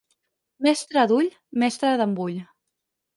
Mestre d'ull, mestre d'embull.